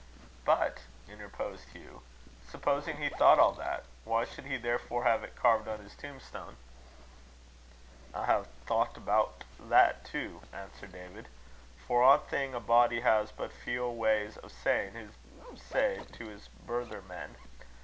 "But," interposed Hugh, "supposing he thought all that, why should he therefore have it carved on his tombstone?" "I hae thocht aboot that too," answered David. "For ae thing, a body has but feow ways o' sayin' his say to his brithermen.